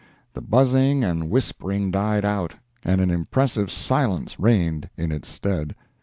The buzzing and whispering died out, and an impressive silence reigned in its stead.